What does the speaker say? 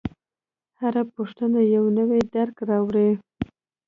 هره پوښتنه یو نوی درک راوړي.